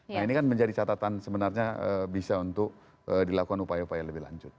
nah ini kan menjadi catatan sebenarnya bisa untuk dilakukan upaya upaya lebih lanjut